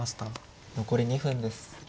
残り２分です。